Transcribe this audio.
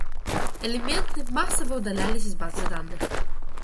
Элементы массово удалялись из базы данных.